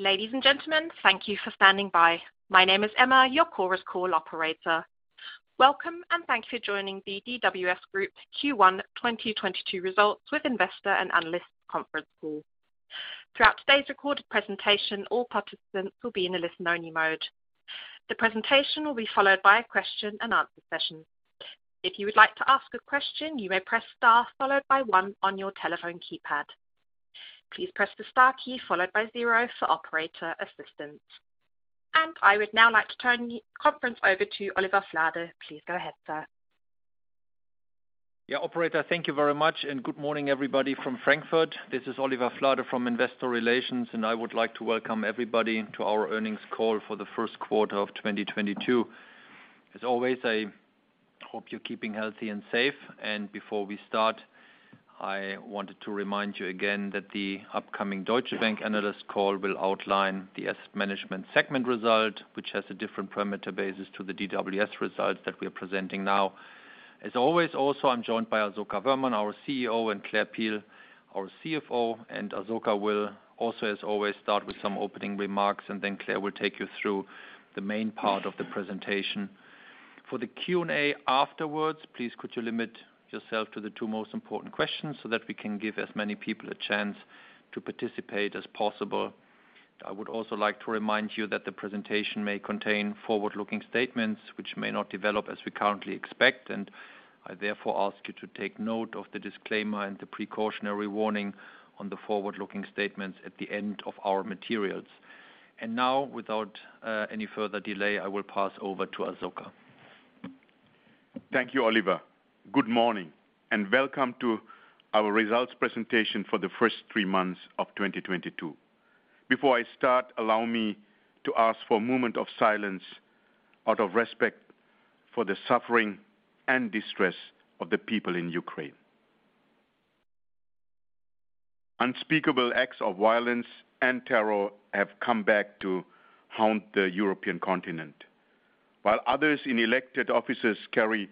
Ladies and gentlemen, thank you for standing by. My name is Emma, your Chorus Call operator. Welcome and thanks for joining the DWS Group Q1 2022 Results with Investor and Analyst Conference Call. Throughout today's recorded presentation, all participants will be in a listen-only mode. The presentation will be followed by a question-and-answer session. If you would like to ask a question, you may press star followed by one on your telephone keypad. Please press the star key followed by zero for operator assistance. I would now like to turn the conference over to Oliver Flade. Please go ahead, sir. Yeah, operator, thank you very much, and good morning, everybody from Frankfurt. This is Oliver Flade from Investor Relations, and I would like to welcome everybody to our earnings call for the first quarter of 2022. As always, I hope you're keeping healthy and safe. Before we start, I wanted to remind you again that the upcoming Deutsche Bank analyst call will outline the asset management segment result, which has a different parameter basis to the DWS results that we are presenting now. As always, also, I'm joined by Asoka Wöhrmann, our CEO, and Claire Peel, our CFO. Asoka will also, as always, start with some opening remarks, and then Claire will take you through the main part of the presentation. For the Q&A afterwards, please could you limit yourself to the two most important questions so that we can give as many people a chance to participate as possible. I would also like to remind you that the presentation may contain forward-looking statements which may not develop as we currently expect, and I therefore ask you to take note of the disclaimer and the precautionary warning on the forward-looking statements at the end of our materials. Now, without any further delay, I will pass over to Asoka. Thank you, Oliver. Good morning and welcome to our results presentation for the first three months of 2022. Before I start, allow me to ask for a moment of silence out of respect for the suffering and distress of the people in Ukraine. Unspeakable acts of violence and terror have come back to haunt the European continent. While others in elected offices carry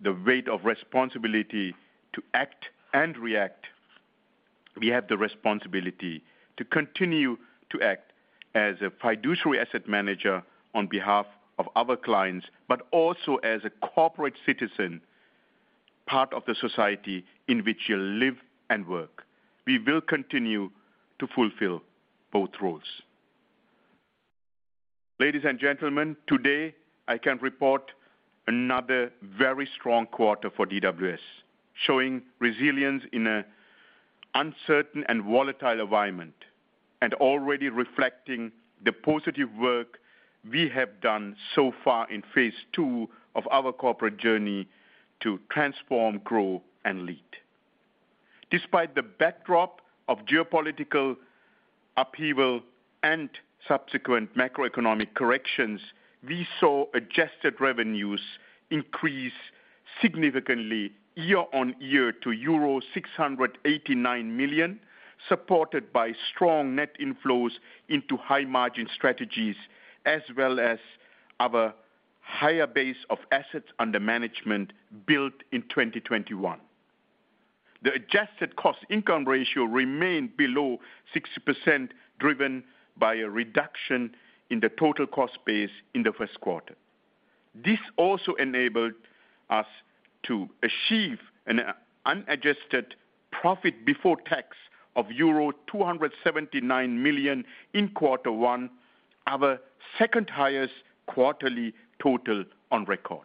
the weight of responsibility to act and react, we have the responsibility to continue to act as a fiduciary asset manager on behalf of our clients, but also as a corporate citizen, part of the society in which you live and work. We will continue to fulfill both roles. Ladies and gentlemen, today I can report another very strong quarter for DWS, showing resilience in an uncertain and volatile environment and already reflecting the positive work we have done so far in phase II of our corporate journey to transform, grow and lead. Despite the backdrop of geopolitical upheaval and subsequent macroeconomic corrections, we saw adjusted revenues increase significantly year-on-year to euro 689 million, supported by strong net inflows into high margin strategies as well as our higher base of assets under management built in 2021. The adjusted cost income ratio remained below 60%, driven by a reduction in the total cost base in the first quarter. This also enabled us to achieve an unadjusted profit before tax of euro 279 million in quarter one, our second highest quarterly total on record.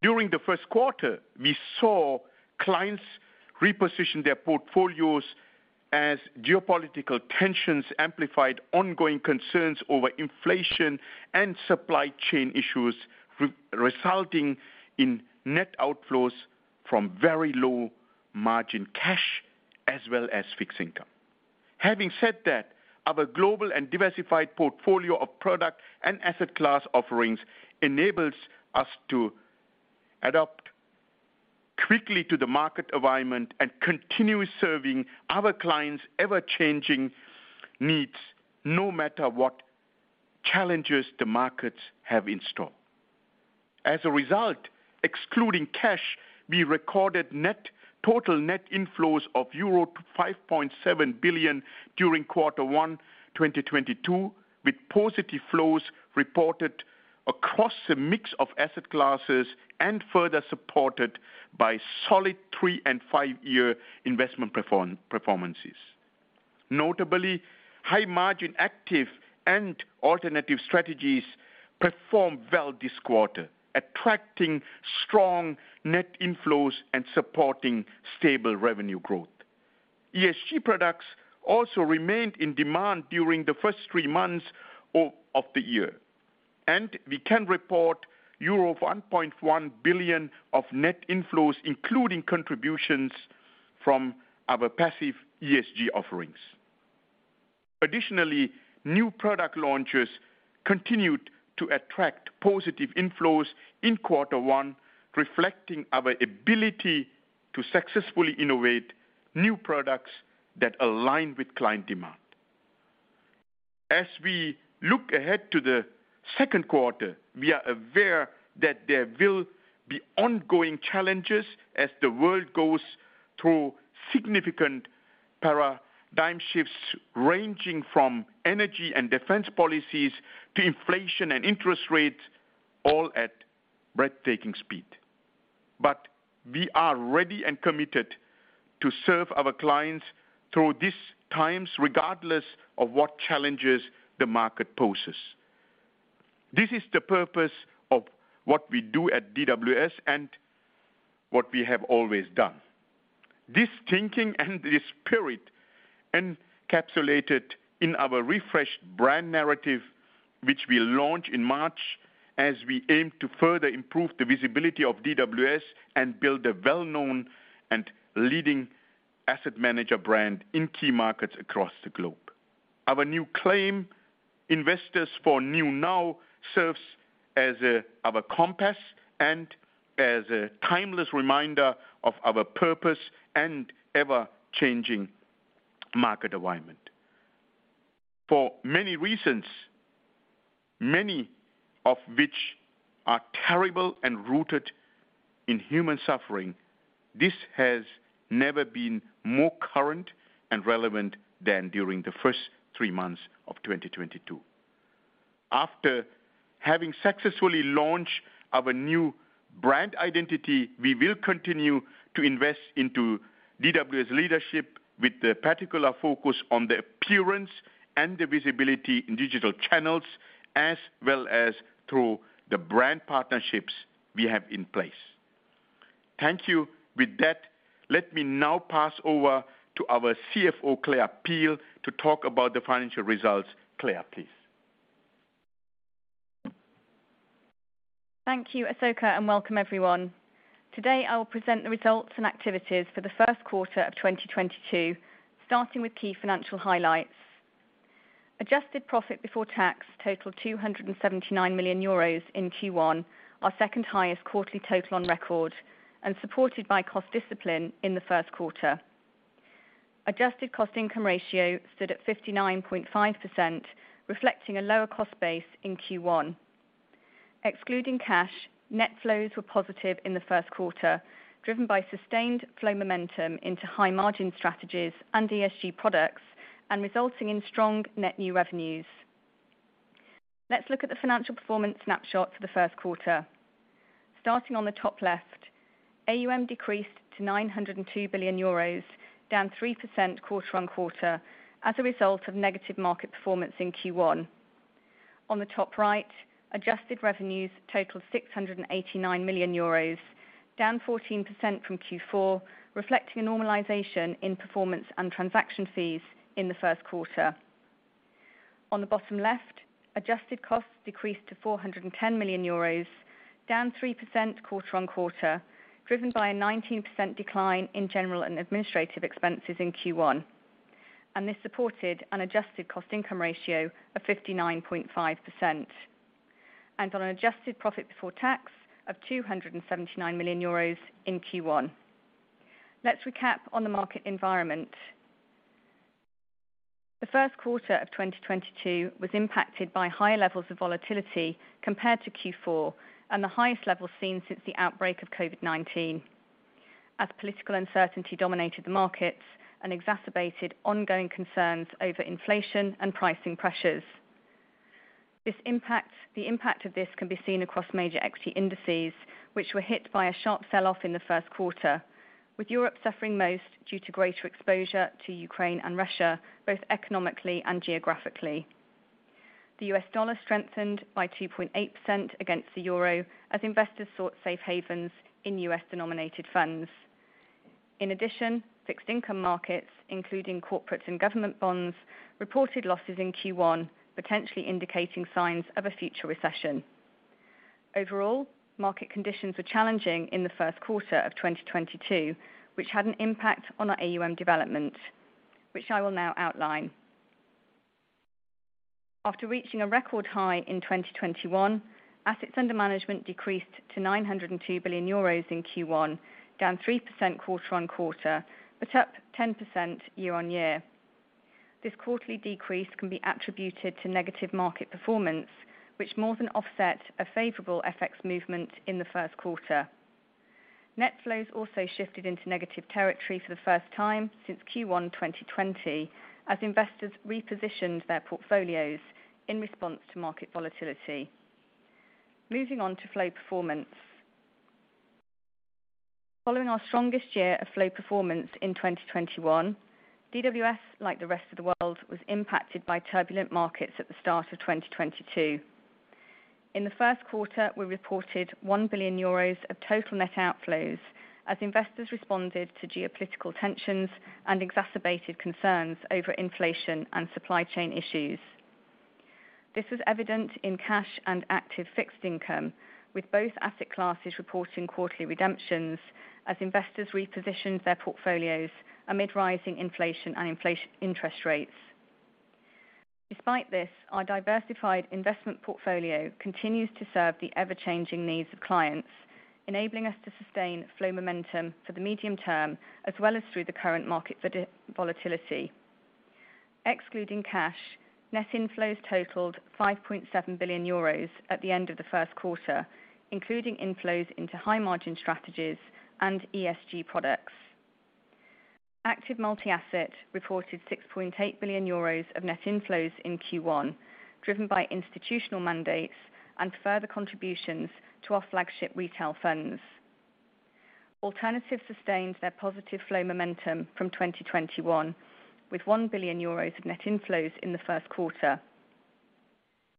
During the first quarter, we saw clients reposition their portfolios as geopolitical tensions amplified ongoing concerns over inflation and supply chain issues, resulting in net outflows from very low margin cash as well as fixed income. Having said that, our global and diversified portfolio of product and asset class offerings enables us to adapt quickly to the market environment and continue serving our clients ever-changing needs no matter what challenges the markets have in store. As a result, excluding cash, we recorded total net inflows of 5.7 billion euro during quarter one, 2022, with positive flows reported across a mix of asset classes and further supported by solid three- and five-year investment performances. Notably, high margin active and alternative strategies performed well this quarter, attracting strong net inflows and supporting stable revenue growth. ESG products also remained in demand during the first three months of the year, and we can report 1.1 billion euro of net inflows, including contributions from our passive ESG offerings. Additionally, new product launches continued to attract positive inflows in quarter one, reflecting our ability to successfully innovate new products that align with client demand. As we look ahead to the second quarter, we are aware that there will be ongoing challenges as the world goes through significant paradigm shifts, ranging from energy and defense policies to inflation and interest rates, all at breathtaking speed. We are ready and committed to serve our clients through these times, regardless of what challenges the market poses. This is the purpose of what we do at DWS and what we have always done. This thinking and this spirit encapsulated in our refreshed brand narrative, which we launched in March as we aim to further improve the visibility of DWS and build a well-known and leading asset manager brand in key markets across the globe. Our new claim, Investor for New Now, serves as our compass and as a timeless reminder of our purpose and ever-changing market environment. For many reasons, many of which are terrible and rooted in human suffering, this has never been more current and relevant than during the first three months of 2022. After having successfully launched our new brand identity, we will continue to invest into DWS leadership with a particular focus on the appearance and the visibility in digital channels, as well as through the brand partnerships we have in place. Thank you. With that, let me now pass over to our CFO, Claire Peel, to talk about the financial results. Claire, please. Thank you, Asoka, and welcome everyone. Today, I will present the results and activities for the first quarter of 2022, starting with key financial highlights. Adjusted profit before tax totaled 279 million euros in Q1, our second highest quarterly total on record and supported by cost discipline in the first quarter. Adjusted cost income ratio stood at 59.5%, reflecting a lower cost base in Q1. Excluding cash, net flows were positive in the first quarter, driven by sustained flow momentum into high margin strategies and ESG products and resulting in strong net new revenues. Let's look at the financial performance snapshot for the first quarter. Starting on the top left, AUM decreased to 902 billion euros, down 3% quarter-on-quarter as a result of negative market performance in Q1. On the top right, adjusted revenues totaled 689 million euros, down 14% from Q4, reflecting a normalization in performance and transaction fees in the first quarter. On the bottom left, adjusted costs decreased to 410 million euros, down 3% quarter-on-quarter, driven by a 19% decline in general and administrative expenses in Q1. This supported an adjusted cost income ratio of 59.5%. On an adjusted profit before tax of 279 million euros in Q1. Let's recap on the market environment. The first quarter of 2022 was impacted by higher levels of volatility compared to Q4 and the highest level seen since the outbreak of COVID-19 as political uncertainty dominated the markets and exacerbated ongoing concerns over inflation and pricing pressures. The impact of this can be seen across major equity indices, which were hit by a sharp sell-off in the first quarter, with Europe suffering most due to greater exposure to Ukraine and Russia, both economically and geographically. The U.S. dollar strengthened by 2.8% against the euro as investors sought safe havens in U.S. denominated funds. In addition, fixed income markets, including corporate and government bonds, reported losses in Q1, potentially indicating signs of a future recession. Overall, market conditions were challenging in the first quarter of 2022, which had an impact on our AUM development, which I will now outline. After reaching a record high in 2021, assets under management decreased to 902 billion euros in Q1, down 3% quarter-over-quarter, but up 10% year-over-year. This quarterly decrease can be attributed to negative market performance, which more than offset a favorable FX movement in the first quarter. Net flows also shifted into negative territory for the first time since Q1 2020, as investors repositioned their portfolios in response to market volatility. Moving on to flow performance. Following our strongest year of flow performance in 2021, DWS, like the rest of the world, was impacted by turbulent markets at the start of 2022. In the first quarter, we reported 1 billion euros of total net outflows as investors responded to geopolitical tensions and exacerbated concerns over inflation and supply chain issues. This was evident in cash and active fixed income, with both asset classes reporting quarterly redemptions as investors repositioned their portfolios amid rising inflation and interest rates. Despite this, our diversified investment portfolio continues to serve the ever-changing needs of clients. Enabling us to sustain flow momentum for the medium term, as well as through the current market volatility. Excluding cash, net inflows totaled 5.7 billion euros at the end of the first quarter, including inflows into high margin strategies and ESG products. Active multi-asset reported 6.8 billion euros of net inflows in Q1, driven by institutional mandates and further contributions to our flagship retail funds. Alternatives sustained their positive flow momentum from 2021 with 1 billion euros of net inflows in the first quarter.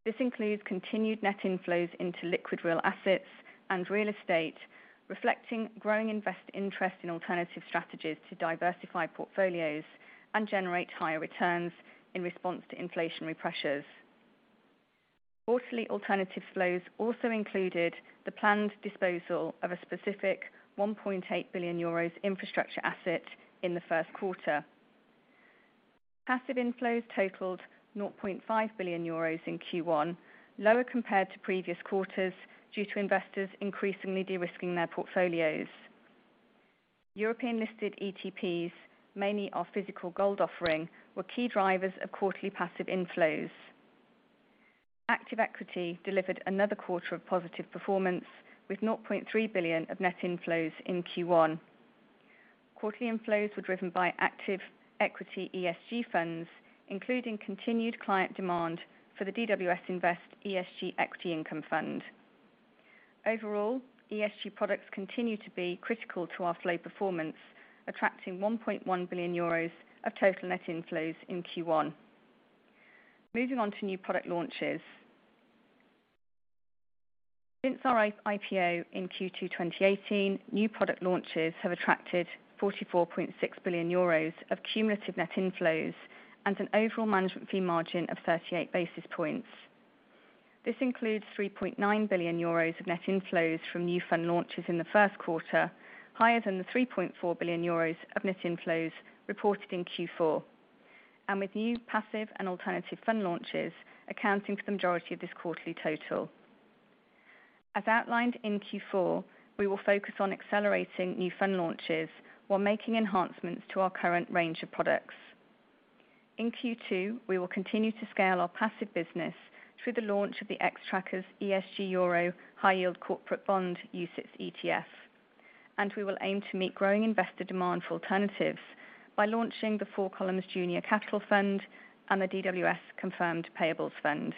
This includes continued net inflows into liquid real assets and real estate, reflecting growing invest interest in alternative strategies to diversify portfolios and generate higher returns in response to inflationary pressures. Quarterly alternative flows also included the planned disposal of a specific 1.8 billion euros infrastructure asset in the first quarter. Passive inflows totaled 0.5 billion euros in Q1, lower compared to previous quarters due to investors increasingly de-risking their portfolios. European listed ETPs, mainly our physical gold offering, were key drivers of quarterly passive inflows. Active equity delivered another quarter of positive performance with 0.3 billion of net inflows in Q1. Quarterly inflows were driven by active equity ESG funds, including continued client demand for the DWS Invest ESG Equity Income Fund. Overall, ESG products continue to be critical to our flow performance, attracting 1.1 billion euros of total net inflows in Q1. Moving on to new product launches. Since our IPO in Q2 2018, new product launches have attracted 44.6 billion euros of cumulative net inflows and an overall management fee margin of 38 basis points. This includes 3.9 billion euros of net inflows from new fund launches in the first quarter, higher than the 3.4 billion euros of net inflows reported in Q4. With new passive and alternative fund launches accounting for the majority of this quarterly total. As outlined in Q4, we will focus on accelerating new fund launches while making enhancements to our current range of products. In Q2, we will continue to scale our passive business through the launch of the Xtrackers ESG euro High Yield Corporate Bond UCITS ETF. We will aim to meet growing investor demand for alternatives by launching the Four Columns Junior Capital Fund and the DWS Confirmed Payables Fund.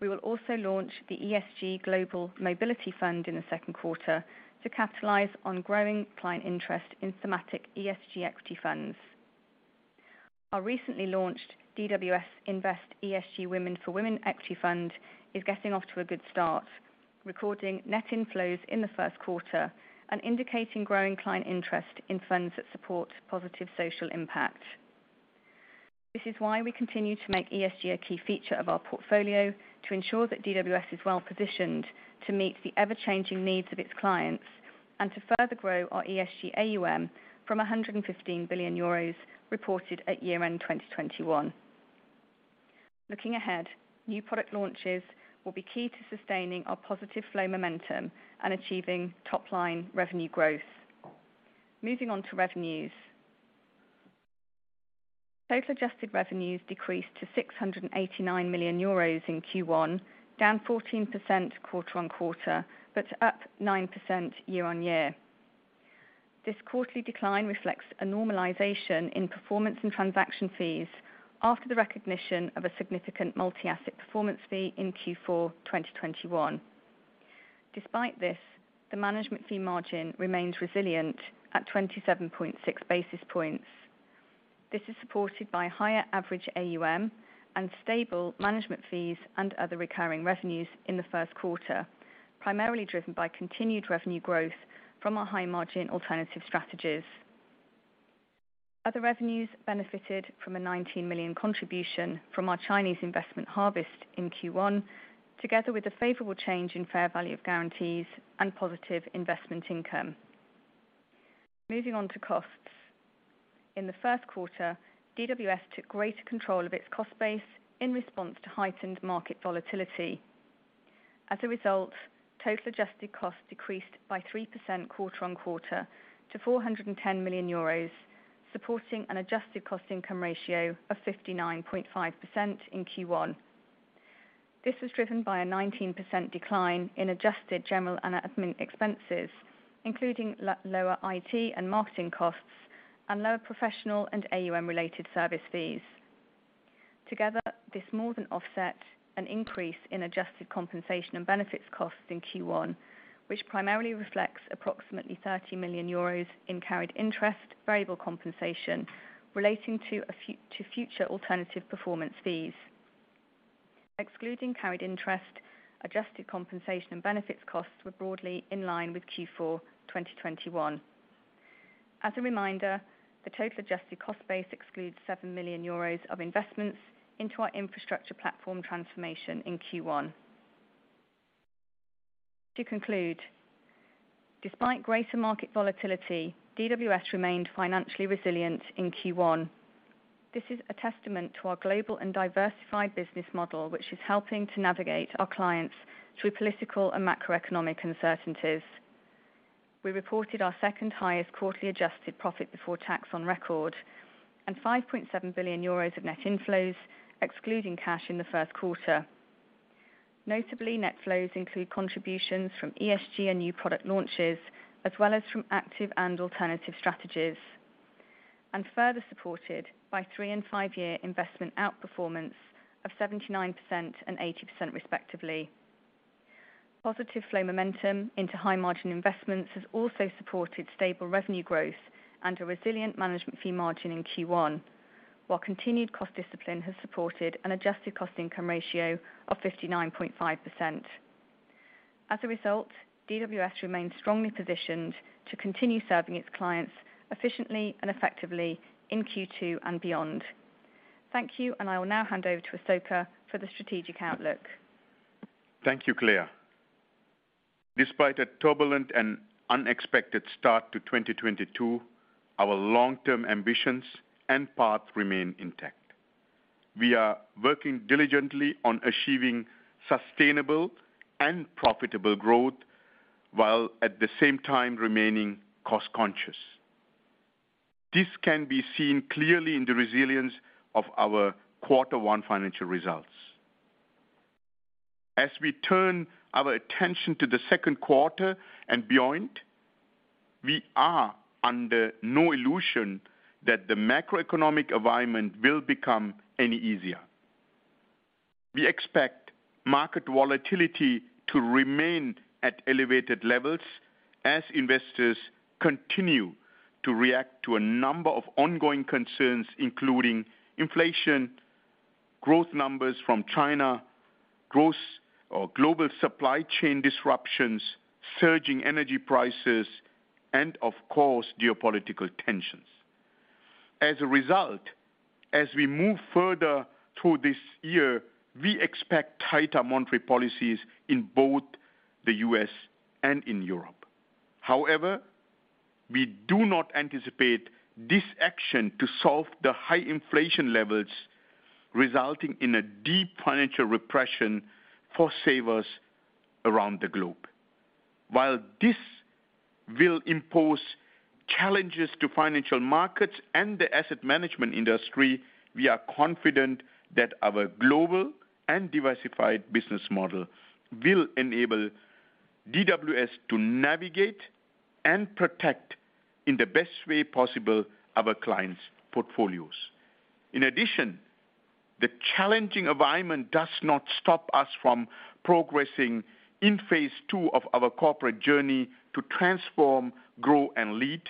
We will also launch the ESG Global Mobility Fund in the second quarter to capitalize on growing client interest in thematic ESG equity funds. Our recently launched DWS Invest ESG Women for Women Equity Fund is getting off to a good start, recording net inflows in the first quarter and indicating growing client interest in funds that support positive social impact. This is why we continue to make ESG a key feature of our portfolio to ensure that DWS is well-positioned to meet the ever-changing needs of its clients and to further grow our ESG AUM from 115 billion euros reported at year-end 2021. Looking ahead, new product launches will be key to sustaining our positive flow momentum and achieving top-line revenue growth. Moving on to revenues. Total adjusted revenues decreased to 689 million euros in Q1, down 14% quarter-on-quarter, but up 9% year-on-year. This quarterly decline reflects a normalization in performance and transaction fees after the recognition of a significant multi-asset performance fee in Q4 2021. Despite this, the management fee margin remains resilient at 27.6 basis points. This is supported by higher average AUM and stable management fees and other recurring revenues in the first quarter, primarily driven by continued revenue growth from our high margin alternative strategies. Other revenues benefited from a 19 million contribution from our Chinese investment Harvest in Q1, together with a favorable change in fair value of guarantees and positive investment income. Moving on to costs. In the first quarter, DWS took greater control of its cost base in response to heightened market volatility. As a result, total adjusted costs decreased by 3% quarter-on-quarter to 410 million euros, supporting an adjusted cost income ratio of 59.5% in Q1. This was driven by a 19% decline in adjusted general and admin expenses, including lower IT and marketing costs and lower professional and AUM-related service fees. Together, this more than offset an increase in adjusted compensation and benefits costs in Q1, which primarily reflects approximately 30 million euros in carried interest variable compensation relating to future alternative performance fees. Excluding carried interest, adjusted compensation and benefits costs were broadly in line with Q4 2021. As a reminder, the total adjusted cost base excludes 7 million euros of investments into our infrastructure platform transformation in Q1. To conclude, despite greater market volatility, DWS remained financially resilient in Q1. This is a testament to our global and diversified business model, which is helping to navigate our clients through political and macroeconomic uncertainties. We reported our second highest quarterly adjusted profit before tax on record and 5.7 billion euros of net inflows excluding cash in the first quarter. Notably, net flows include contributions from ESG and new product launches, as well as from active and alternative strategies. Further supported by three- and five-year investment outperformance of 79% and 80% respectively. Positive flow momentum into high margin investments has also supported stable revenue growth and a resilient management fee margin in Q1. While continued cost discipline has supported an adjusted cost income ratio of 59.5%. As a result, DWS remains strongly positioned to continue serving its clients efficiently and effectively in Q2 and beyond. Thank you, and I will now hand over to Asoka for the strategic outlook. Thank you, Claire. Despite a turbulent and unexpected start to 2022, our long-term ambitions and path remain intact. We are working diligently on achieving sustainable and profitable growth, while at the same time remaining cost conscious. This can be seen clearly in the resilience of our quarter one financial results. As we turn our attention to the second quarter and beyond, we are under no illusion that the macroeconomic environment will become any easier. We expect market volatility to remain at elevated levels as investors continue to react to a number of ongoing concerns, including inflation, growth numbers from China, growth or global supply chain disruptions, surging energy prices and of course, geopolitical tensions. As a result, as we move further through this year, we expect tighter monetary policies in both the U.S. and in Europe. However, we do not anticipate this action to solve the high inflation levels, resulting in a deep financial repression for savers around the globe. While this will impose challenges to financial markets and the asset management industry, we are confident that our global and diversified business model will enable DWS to navigate and protect in the best way possible our clients' portfolios. In addition, the challenging environment does not stop us from progressing in phase II of our corporate journey to transform, grow and lead,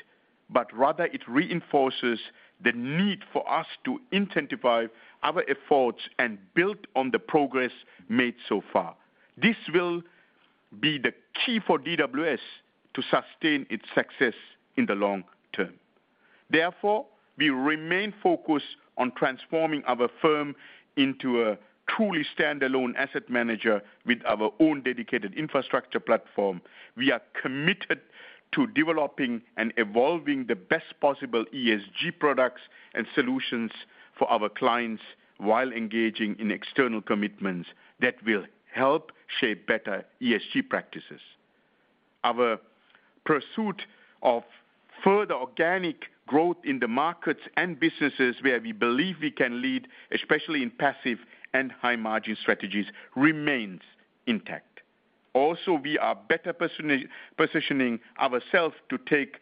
but rather it reinforces the need for us to intensify our efforts and build on the progress made so far. This will be the key for DWS to sustain its success in the long-term. Therefore, we remain focused on transforming our firm into a truly standalone asset manager with our own dedicated infrastructure platform. We are committed to developing and evolving the best possible ESG products and solutions for our clients while engaging in external commitments that will help shape better ESG practices. Our pursuit of further organic growth in the markets and businesses where we believe we can lead, especially in passive and high margin strategies, remains intact. Also, we are better positioning ourselves to take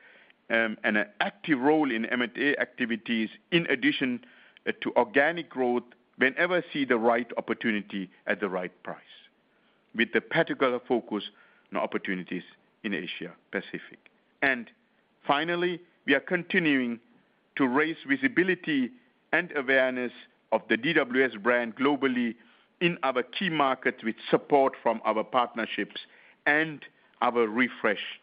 an active role in M&A activities in addition to organic growth whenever we see the right opportunity at the right price, with the particular focus on opportunities in Asia Pacific. Finally, we are continuing to raise visibility and awareness of the DWS brand globally in our key markets with support from our partnerships and our refreshed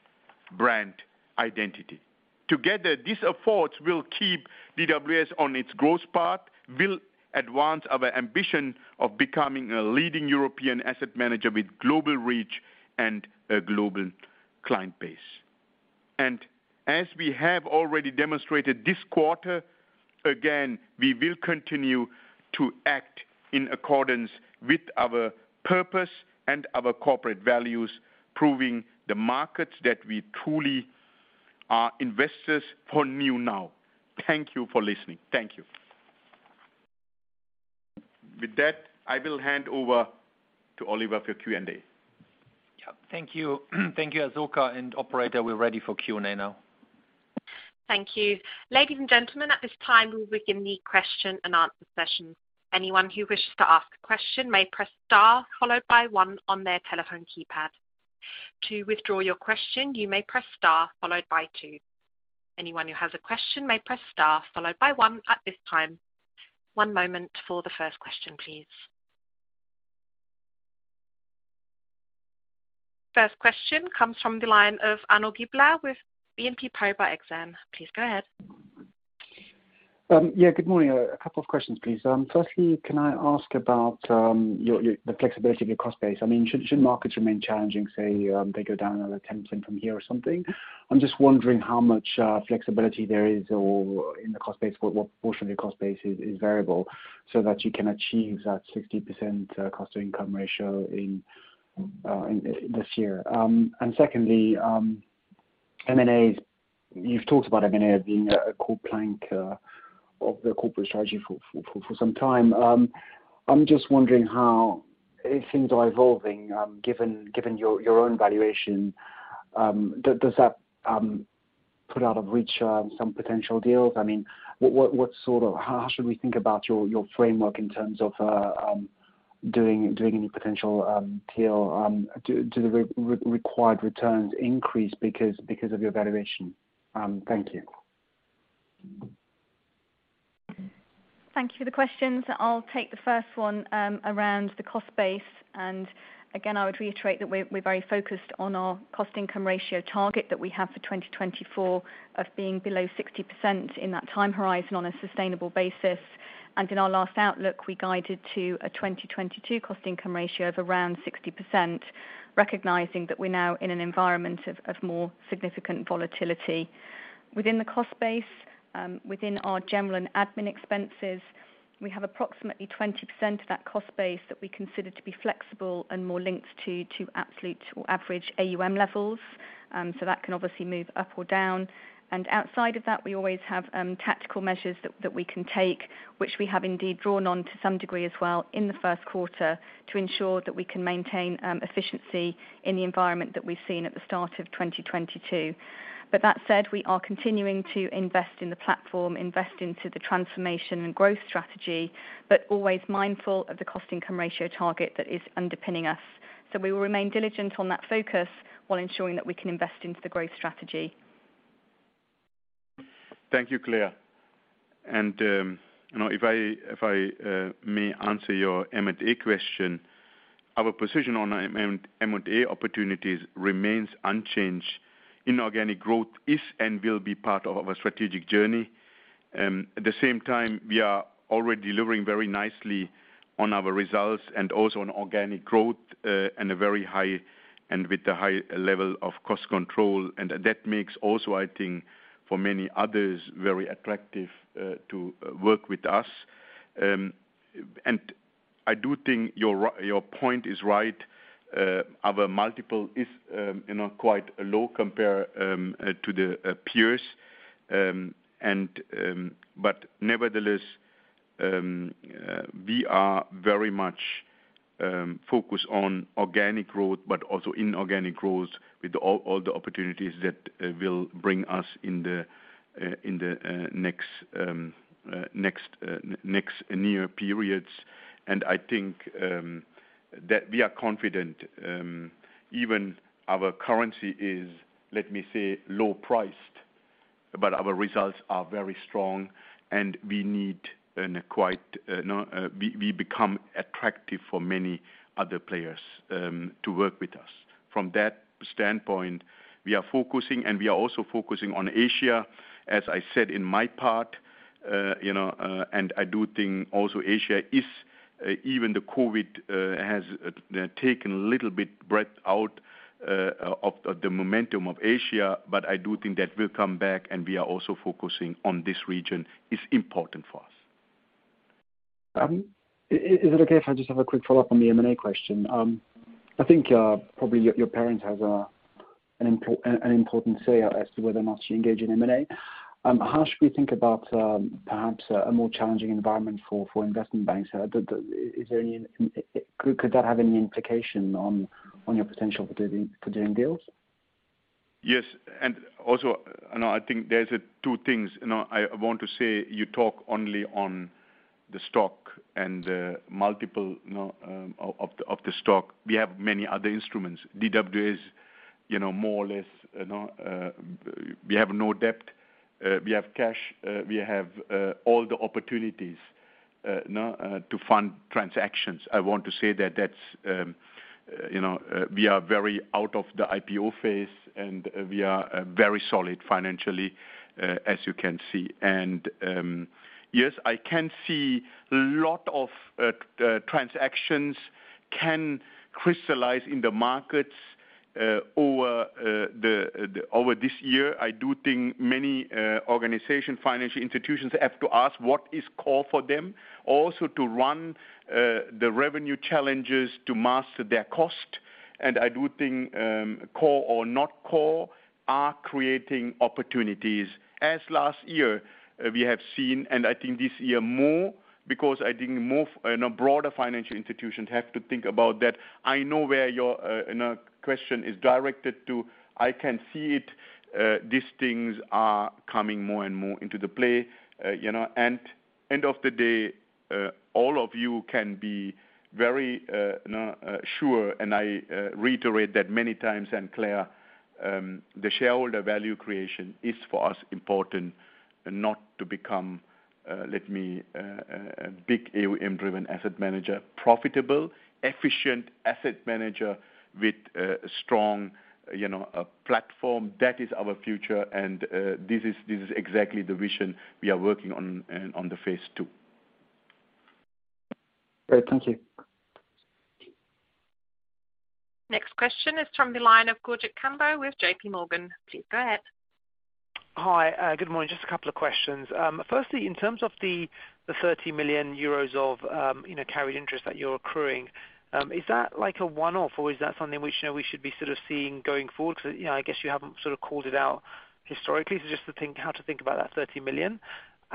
brand identity. Together, these efforts will keep DWS on its growth path, will advance our ambition of becoming a leading European asset manager with global reach and a global client base. As we have already demonstrated this quarter, again, we will continue to act in accordance with our purpose and our corporate values, proving the markets that we truly are investors for new now. Thank you for listening. Thank you. With that, I will hand over to Oliver for Q&A. Yeah. Thank you. Thank you, Asoka and operator, we're ready for Q&A now. Thank you. Ladies and gentlemen, at this time, we will begin the question and answer session. Anyone who wishes to ask a question may press star followed by one on their telephone keypad. To withdraw your question, you may press star followed by two. Anyone who has a question may press star followed by one at this time. One moment for the first question, please. First question comes from the line of Arnaud Giblat with BNP Paribas Exane. Please go ahead. Yeah, good morning. A couple of questions, please. Firstly, can I ask about the flexibility of your cost base. I mean, should markets remain challenging, say, they go down another 10% from here or something, I'm just wondering how much flexibility there is in the cost base, what portion of your cost base is variable so that you can achieve that 60% cost income ratio in this year? Secondly, M&As, you've talked about M&A being a core plank of the corporate strategy for some time. I'm just wondering how things are evolving, given your own valuation. Does that put out of reach some potential deals? I mean, what sort of how should we think about your framework in terms of doing any potential deal, do the required returns increase because of your valuation? Thank you. Thank you for the questions. I'll take the first one around the cost base. Again, I would reiterate that we're very focused on our cost income ratio target that we have for 2024 of being below 60% in that time horizon on a sustainable basis. In our last outlook, we guided to a 2022 cost income ratio of around 60%, recognizing that we're now in an environment of more significant volatility. Within the cost base, within our general and admin expenses, we have approximately 20% of that cost base that we consider to be flexible and more linked to absolute or average AUM levels. So that can obviously move up or down. Outside of that, we always have tactical measures that we can take, which we have indeed drawn on to some degree as well in the first quarter to ensure that we can maintain efficiency in the environment that we've seen at the start of 2022. That said, we are continuing to invest in the platform, invest into the transformation and growth strategy, but always mindful of the cost income ratio target that is underpinning us. We will remain diligent on that focus while ensuring that we can invest into the growth strategy. Thank you, Claire. You know, if I may answer your M&A question, our position on M&A opportunities remains unchanged. Inorganic growth is and will be part of our strategic journey. At the same time, we are already delivering very nicely on our results and also on organic growth, and with a high level of cost control. That makes also, I think, for many others, very attractive to work with us. I do think your point is right. Our multiple is, you know, quite low compared to the peers. Nevertheless, we are very much focused on organic growth, but also inorganic growth with all the opportunities that will bring us in the next near periods. I think that we are confident, even our currency is, let me say, low-priced, but our results are very strong, and we become attractive for many other players to work with us. From that standpoint, we are focusing, and we are also focusing on Asia, as I said in my part. You know, I do think also Asia is, even the COVID has taken a little bit breath out of the momentum of Asia, but I do think that will come back and we are also focusing on this region. It's important for us. Is it okay if I just have a quick follow-up on the M&A question? I think, probably your parent has an important say as to whether or not you engage in M&A. How should we think about, perhaps a more challenging environment for investment banks? Could that have any implication on your potential for doing deals? Yes. Also, you know, I think there's two things, you know, I want to say you talk only on the stock and multiple, you know, of the stock. We have many other instruments. DWS, you know, more or less, you know, we have no debt. We have cash. We have all the opportunities, you know, to fund transactions. I want to say that that's, you know, we are very out of the IPO phase, and we are very solid financially, as you can see. Yes, I can see a lot of transactions can crystallize in the markets over this year. I do think many organizations, financial institutions have to ask what is core for them, also to run the revenue challenges to master their costs. I do think core or not core are creating opportunities. As last year, we have seen, and I think this year more because I think more and a broader financial institutions have to think about that. I know where your, you know, question is directed to. I can see it. These things are coming more and more into play. You know, end of the day, all of you can be very, you know, sure, and I reiterate that many times, and Claire, the shareholder value creation is, for us, important and not to become big AUM-driven asset manager, profitable, efficient asset manager with a strong, you know, platform. That is our future and, this is exactly the vision we are working on the phase II. Great. Thank you. Next question is from the line of Gurjit Kambo with JPMorgan. Please go ahead. Hi, good morning. Just a couple of questions. Firstly, in terms of the 30 million euros of you know, carried interest that you're accruing, is that like a one-off, or is that something which you know, we should be sort of seeing going forward? 'Cause you know, I guess you haven't sort of called it out historically. So just to think how to think about that 30 million.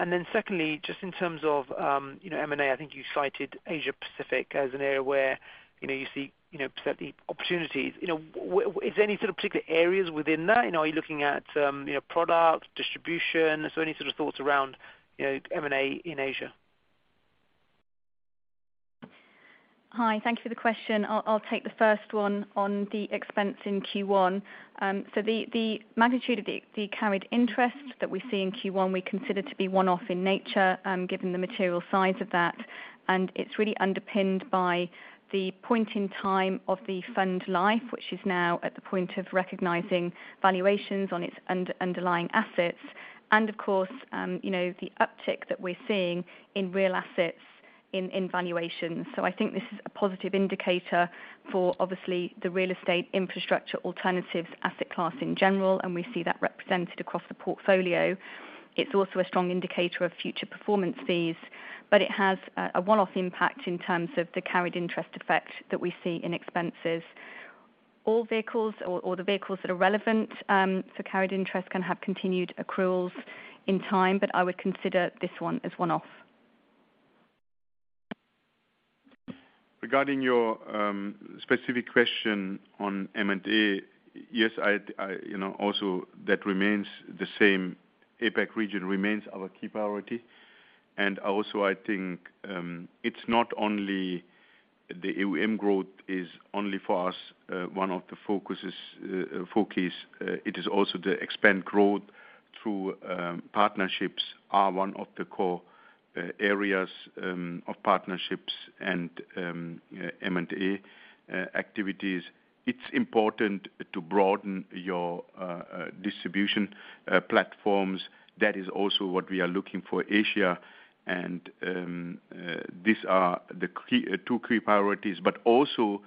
Then secondly, just in terms of M&A, I think you cited Asia Pacific as an area where you know, you see you know, certainly opportunities. Is there any sort of particular areas within that? You know, are you looking at you know, product, distribution? So any sort of thoughts around you know, M&A in Asia? Hi. Thank you for the question. I'll take the first one on the expense in Q1. The magnitude of the carried interest that we see in Q1, we consider to be one-off in nature, given the material size of that, and it's really underpinned by the point in time of the fund life, which is now at the point of recognizing valuations on its underlying assets, and of course, you know, the uptick that we're seeing in real assets in valuation. I think this is a positive indicator for obviously the real estate infrastructure alternatives asset class in general, and we see that represented across the portfolio. It's also a strong indicator of future performance fees, but it has a one-off impact in terms of the carried interest effect that we see in expenses. All vehicles or the vehicles that are relevant. Carried interest can have continued accruals in time, but I would consider this one as one-off. Regarding your specific question on M&A, yes, I'd you know also that remains the same. APAC region remains our key priority. Also, I think it's not only the AUM growth is only for us one of the focus. It is also to expand growth through partnerships are one of the core areas of partnerships and M&A activities. It's important to broaden our distribution platforms. That is also what we are looking for Asia and these are the two key priorities, but also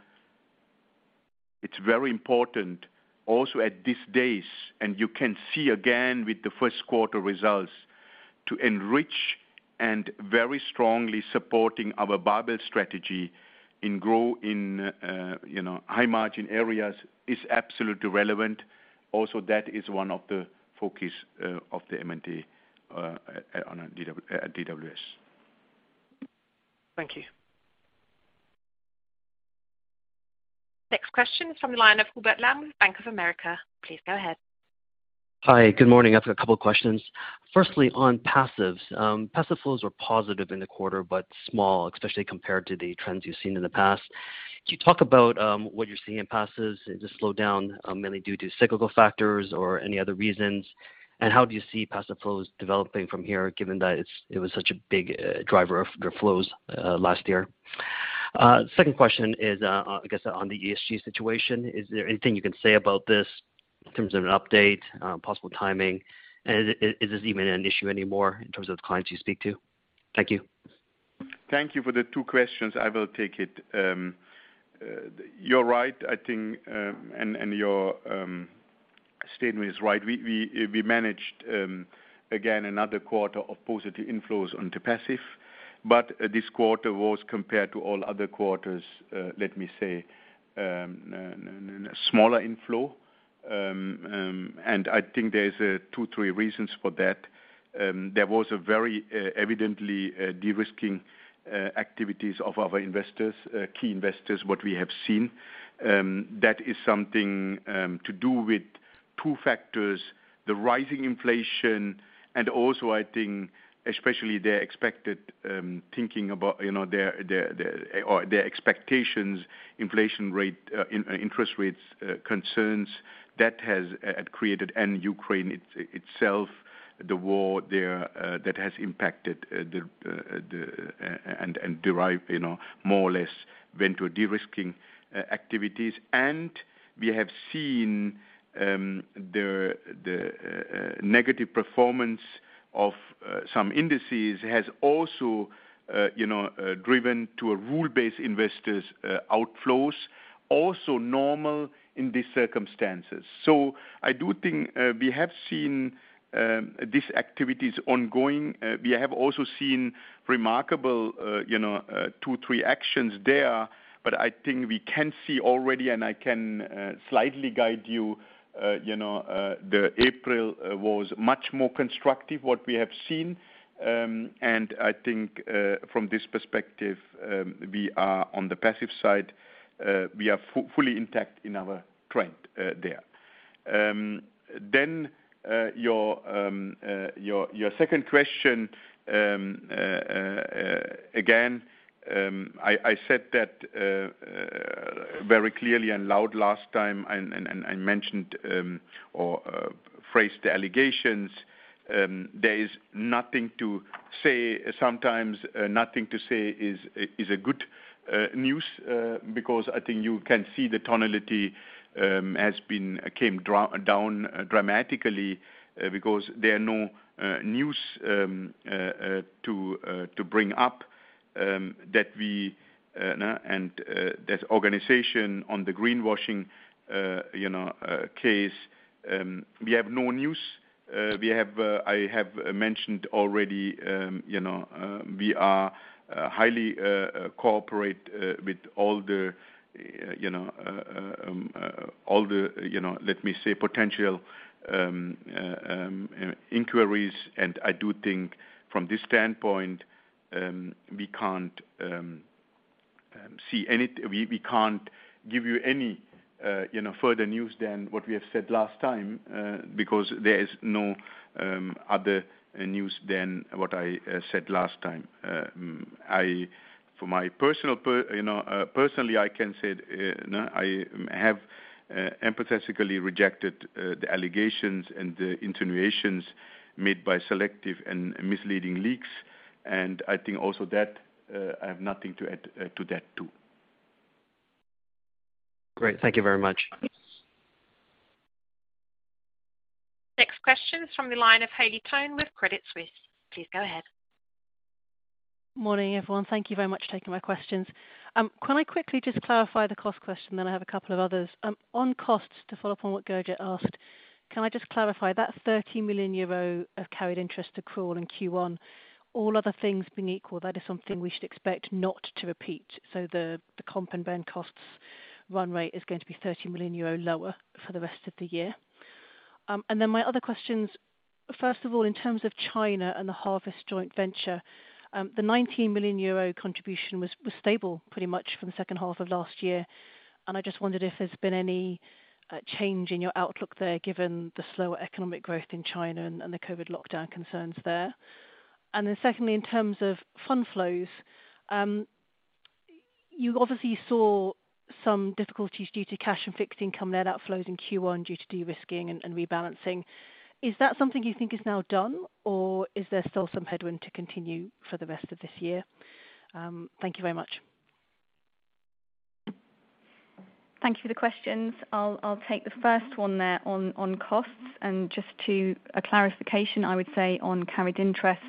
it's very important also at this phase, and you can see again with the first quarter results to enrich and very strongly supporting our barbell strategy and grow in you know high margin areas is absolutely relevant. Also, that is one of the focus of the M&A at DWS. Thank you. Next question from the line of Hubert Lam, Bank of America. Please go ahead. Hi, good morning. I've got a couple of questions. Firstly, on passives. Passive flows are positive in the quarter, but small, especially compared to the trends you've seen in the past. Can you talk about what you're seeing in passives? Is this slowdown mainly due to cyclical factors or any other reasons? And how do you see passive flows developing from here, given that it was such a big driver of your flows last year? Second question is, I guess on the ESG situation. Is there anything you can say about this in terms of an update, possible timing? And is this even an issue anymore in terms of the clients you speak to? Thank you. Thank you for the two questions. I will take it. You're right, I think, and your statement is right. We managed again another quarter of positive inflows onto passive, but this quarter was compared to all other quarters, let me say, smaller inflow. And I think there's two, three reasons for that. There was a very evidently de-risking activities of our investors, key investors, what we have seen. That is something to do with two factors, the rising inflation and also I think especially their expected thinking about, you know, their or their expectations, inflation rate, in interest rates, concerns that has created and Ukraine itself, the war there, that has impacted the. You know, more or less went to de-risking activities. We have seen the negative performance of some indices has also, you know, driven rule-based investors to outflows, also normal in these circumstances. I do think we have seen these activities ongoing. We have also seen remarkable, you know, two, three actions there. I think we can see already, and I can slightly guide you know, in April was much more constructive what we have seen. I think from this perspective, we are on the passive side, we are fully intact in our trend there. Your second question, again, I said that very clearly and loud last time and I mentioned or phrased the allegations, there is nothing to say. Sometimes nothing to say is a good news because I think you can see the tonality has come down dramatically because there are no news to bring up that we and that organization on the greenwashing, you know, case, we have no news. I have mentioned already, you know, we are highly cooperating with all the, you know, let me say potential inquiries. I do think from this standpoint, we can't give you any, you know, further news than what we have said last time, because there is no other news than what I said last time. Personally, I can say, no, I have emphatically rejected the allegations and the insinuations made by selective and misleading leaks. I think also that I have nothing to add to that too. Great. Thank you very much. Next question is from the line of Haley Tam with Credit Suisse. Please go ahead. Morning, everyone. Thank you very much for taking my questions. Can I quickly just clarify the cost question, then I have a couple of others. On costs, to follow-up on what Gurjit asked, can I just clarify that 30 million euro of carried interest accrual in Q1, all other things being equal, that is something we should expect not to repeat. The comp and ben costs run rate is going to be 30 million euro lower for the rest of the year. My other questions, first of all, in terms of China and the Harvest joint venture, the 19 million euro contribution was stable pretty much from the second half of last year. I just wondered if there's been any change in your outlook there, given the slower economic growth in China and the COVID lockdown concerns there. Secondly, in terms of fund flows, you obviously saw some difficulties due to cash and fixed income net outflows in Q1 due to de-risking and rebalancing. Is that something you think is now done or is there still some headwind to continue for the rest of this year? Thank you very much. Thank you for the questions. I'll take the first one there on costs. Just to a clarification, I would say on carried interest.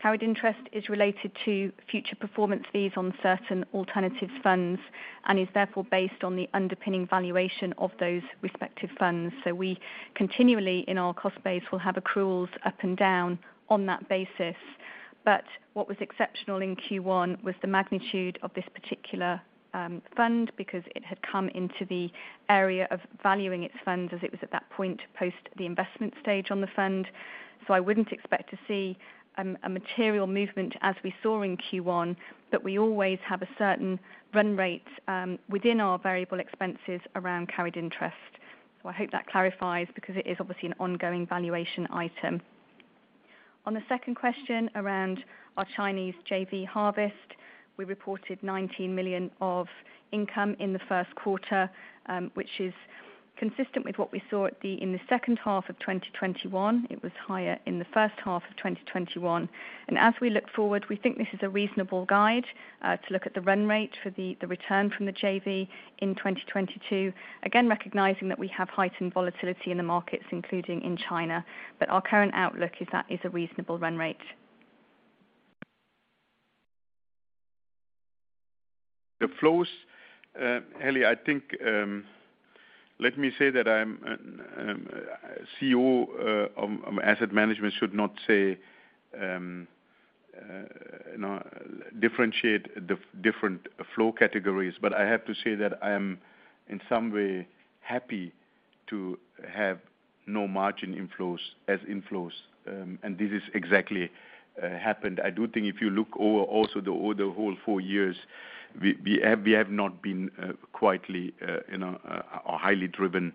Carried interest is related to future performance fees on certain alternatives funds and is therefore based on the underpinning valuation of those respective funds. We continually, in our cost base, will have accruals up and down on that basis. What was exceptional in Q1 was the magnitude of this particular fund because it had come into the area of valuing its funds as it was at that point post the investment stage on the fund. I wouldn't expect to see a material movement as we saw in Q1, but we always have a certain run rate within our variable expenses around carried interest. I hope that clarifies because it is obviously an ongoing valuation item. On the second question around our Chinese JV Harvest, we reported 19 million of income in the first quarter, which is consistent with what we saw in the second half of 2021. It was higher in the first half of 2021. As we look forward, we think this is a reasonable guide to look at the run rate for the return from the JV in 2022. Again, recognizing that we have heightened volatility in the markets, including in China. Our current outlook is that is a reasonable run rate. The flows, Haley, I think, let me say that CEOs of asset management should not say, you know, differentiate the different flow categories, but I have to say that I am in some way happy to have no margin inflows as inflows. This is exactly what happened. I do think if you also look over the whole four years, we have not been quite, you know, or highly driven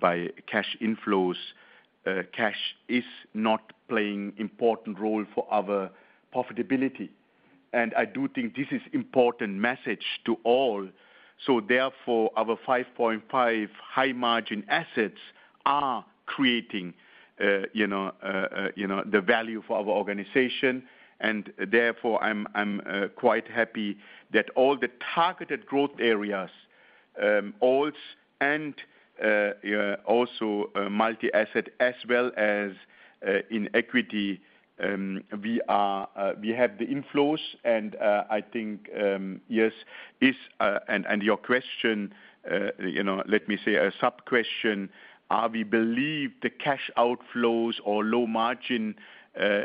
by cash inflows. Cash is not playing important role for our profitability. I do think this is important message to all. Therefore, our 5.5 high-margin assets are creating, you know, the value for our organization. Therefore, I'm quite happy that all the targeted growth areas, Alts and also multi-asset as well as in Equity, we have the inflows. I think yes, and to your question, you know, let me say a sub-question, do we believe the cash outflows or low-margin,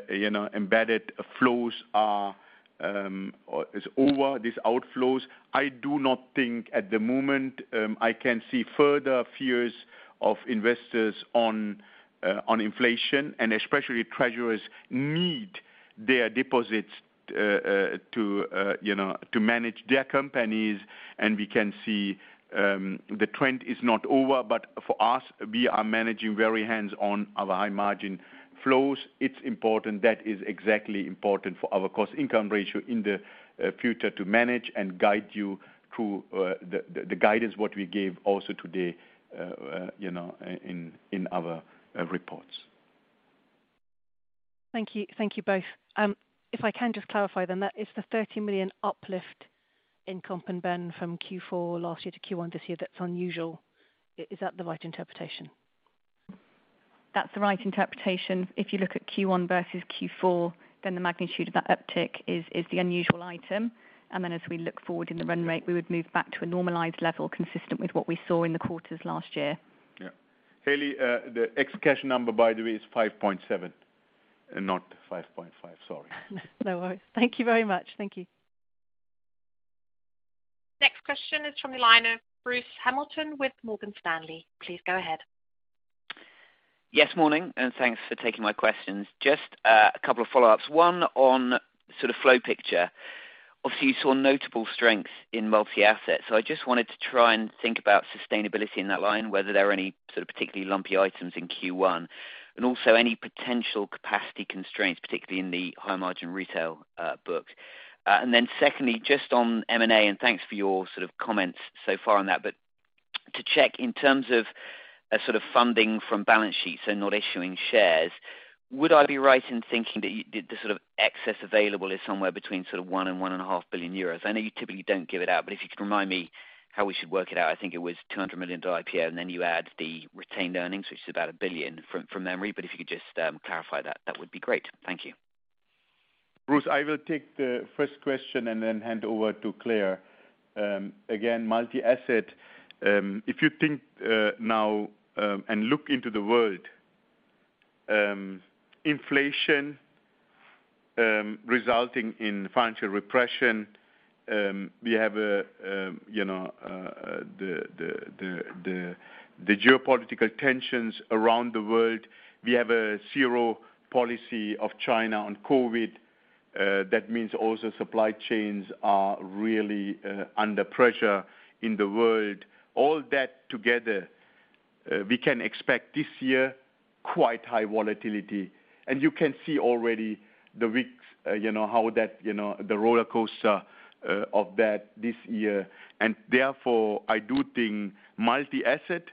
you know, embedded flows are over? These outflows? I do not think at the moment I can see further fears of investors on inflation, and especially treasurers need their deposits to, you know, to manage their companies. We can see the trend is not over. For us, we are managing very hands-on our high-margin flows. It's important. That is exactly important for our cost income ratio in the future to manage and guide you through the guidance what we gave also today, you know, in our reports. Thank you. Thank you both. If I can just clarify then that is the 30 million uplift in comp and ben from Q4 last year to Q1 this year that's unusual. Is that the right interpretation? That's the right interpretation. If you look at Q1 versus Q4, then the magnitude of that uptick is the unusual item. As we look forward in the run rate, we would move back to a normalized level consistent with what we saw in the quarters last year. Yeah. Haley, the execution number, by the way, is 5.7, not 5.5. Sorry. No worries. Thank you very much. Thank you. Next question is from the line of Bruce Hamilton with Morgan Stanley. Please go ahead. Yes, morning, and thanks for taking my questions. Just, a couple of follow-ups. One on sort of flow picture. Obviously, you saw notable strength in multi-asset, so I just wanted to try and think about sustainability in that line, whether there are any sort of particularly lumpy items in Q1, and also any potential capacity constraints, particularly in the high margin retail, books. And then secondly, just on M&A, and thanks for your sort of comments so far on that, but to check in terms of a sort of funding from balance sheets and not issuing shares, would I be right in thinking that the sort of excess available is somewhere between sort of 1 billion euros and EUR 1.5 billion? I know you typically don't give it out, but if you could remind me how we should work it out. I think it was 200 million to IPO, and then you add the retained earnings, which is about 1 billion from memory. But if you could just clarify that would be great. Thank you. Bruce, I will take the first question and then hand over to Claire. Again, multi-asset, if you think now and look into the world, inflation resulting in financial repression, we have, you know, the geopolitical tensions around the world. We have a zero policy of China on COVID. That means also supply chains are really under pressure in the world. All that together, we can expect this year quite high volatility. You can see already these weeks, you know, how that, you know, the rollercoaster of that this year. Therefore, I do think multi-asset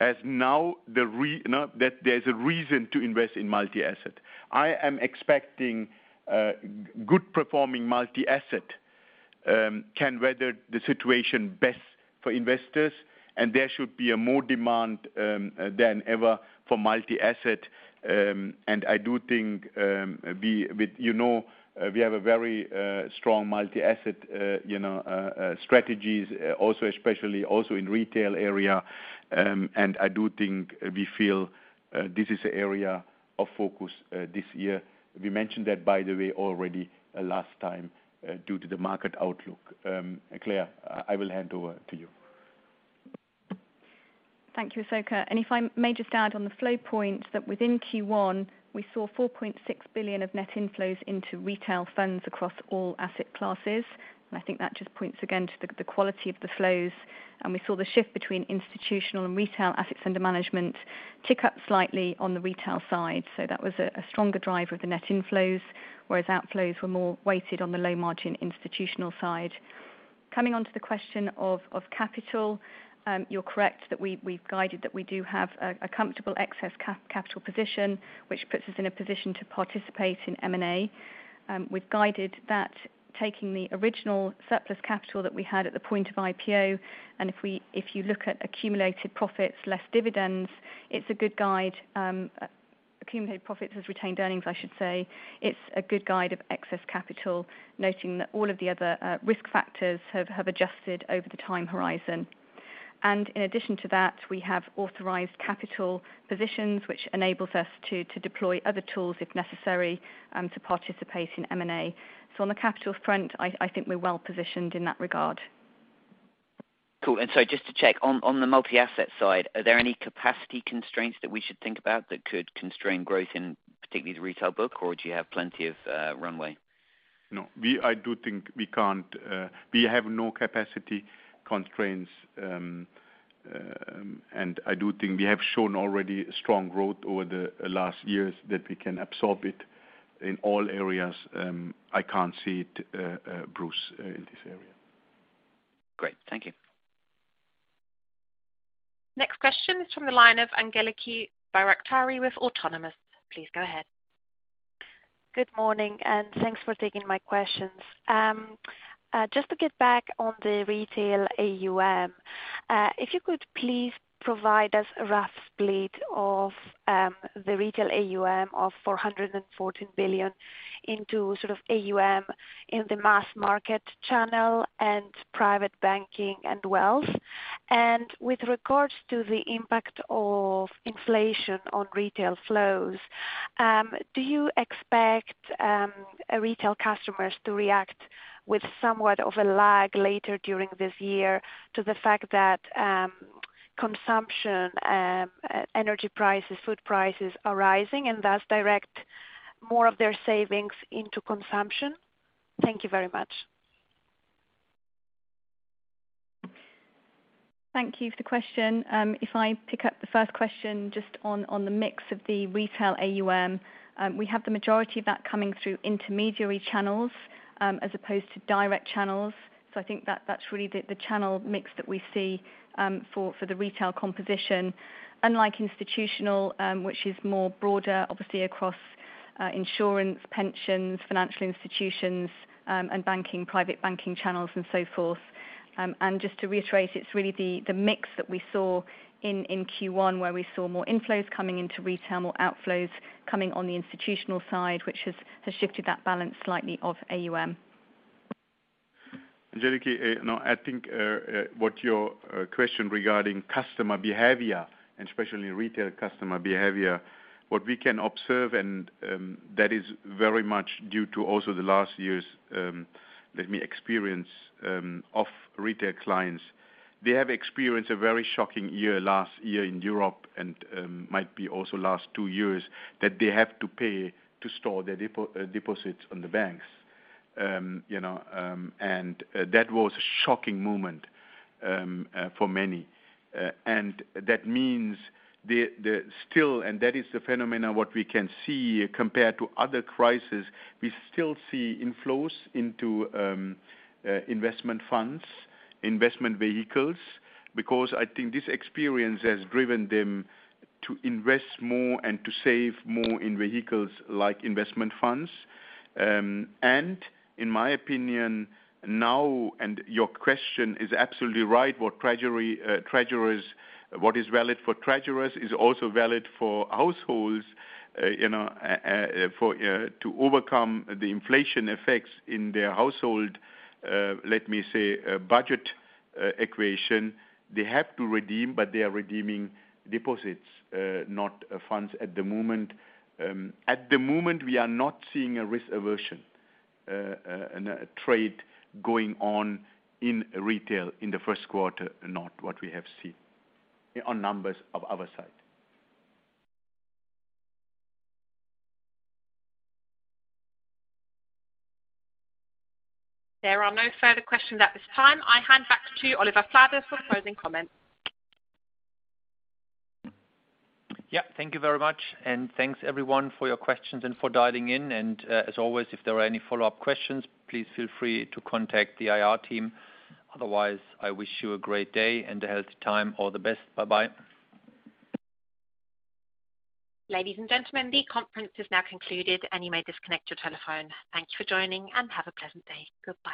as now now that there's a reason to invest in multi-asset. I am expecting good performing multi-asset can weather the situation best for investors, and there should be more demand than ever for multi-asset. I do think, with, you know, we have a very strong multi-asset, you know, strategies also especially also in retail area. I do think we feel this is an area of focus this year. We mentioned that, by the way, already last time due to the market outlook. Claire, I will hand over to you. Thank you, Asoka. If I may just add on the flow point that within Q1, we saw 4.6 billion of net inflows into retail funds across all asset classes. I think that just points again to the quality of the flows. We saw the shift between institutional and retail assets under management tick up slightly on the retail side. That was a stronger driver of the net inflows, whereas outflows were more weighted on the low margin institutional side. Coming onto the question of capital, you're correct that we've guided that we do have a comfortable excess capital position, which puts us in a position to participate in M&A. We've guided that taking the original surplus capital that we had at the point of IPO, and if you look at accumulated profits, less dividends, it's a good guide, accumulated profits as retained earnings, I should say. It's a good guide of excess capital, noting that all of the other risk factors have adjusted over the time horizon. In addition to that, we have authorized capital positions, which enables us to deploy other tools if necessary, to participate in M&A. On the capital front, I think we're well-positioned in that regard. Cool. Just to check on the multi-asset side, are there any capacity constraints that we should think about that could constrain growth in particularly the retail book, or do you have plenty of runway? No. I do think we can. We have no capacity constraints, and I do think we have shown already strong growth over the last years that we can absorb it in all areas. I can't see it, Bruce, in this area. Great. Thank you. Next question is from the line of Angeliki Bairaktari with Autonomous. Please go ahead. Good morning, and thanks for taking my questions. Just to get back on the retail AUM, if you could please provide us a rough split of the retail AUM of 414 billion into sort of AUM in the mass market channel and private banking and wealth. With regards to the impact of inflation on retail flows, do you expect retail customers to react with somewhat of a lag later during this year to the fact that consumption, energy prices, food prices are rising and thus direct more of their savings into consumption? Thank you very much. Thank you for the question. If I pick up the first question just on the mix of the retail AUM, we have the majority of that coming through intermediary channels, as opposed to direct channels. I think that that's really the channel mix that we see, for the retail composition. Unlike institutional, which is more broader obviously across, insurance, pensions, financial institutions, and banking, private banking channels and so forth. Just to reiterate, it's really the mix that we saw in Q1 where we saw more inflows coming into retail, more outflows coming on the institutional side, which has shifted that balance slightly of AUM. Angeliki, no, I think to your question regarding customer behavior, and especially retail customer behavior, what we can observe and that is very much due to also the last year's negative experience of retail clients. They have experienced a very shocking year last year in Europe and might be also last two years that they have to pay to store their deposits at the banks. You know, and that was a shocking moment for many. That means and that is the phenomenon that we can see compared to other crises. We still see inflows into investment funds, investment vehicles, because I think this experience has driven them to invest more and to save more in vehicles like investment funds. In my opinion now, your question is absolutely right. What is valid for treasurers is also valid for households, you know, to overcome the inflation effects in their household budget equation. They have to redeem, but they are redeeming deposits, not funds at the moment. At the moment, we are not seeing a risk aversion and trade going on in retail in the first quarter, not what we have seen on numbers of other side. There are no further questions at this time. I hand back to you, Oliver Flade, for closing comments. Yeah. Thank you very much, and thanks everyone for your questions and for dialing in. As always, if there are any follow-up questions, please feel free to contact the IR team. Otherwise, I wish you a great day and a healthy time. All the best. Bye-bye. Ladies and gentlemen, the conference is now concluded, and you may disconnect your telephone. Thank you for joining, and have a pleasant day. Goodbye.